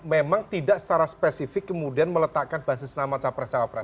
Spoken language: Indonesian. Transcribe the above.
memang tidak secara spesifik kemudian meletakkan basis nama capres capres